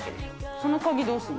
その鍵どうすんの？